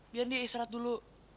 biar dia istirahat dulu